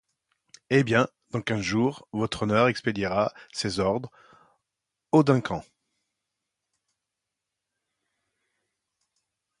Eh bien! dans quinze jours, Votre Honneur expédiera ses ordres au Duncan.